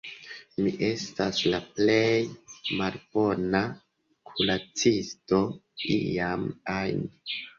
Mi estas la plej malbona kuracisto iam ajn